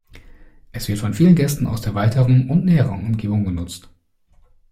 Es wird von vielen Gästen aus der weiteren und näheren Umgebung genutzt.